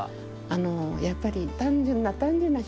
やっぱり単純な単純な仕事です。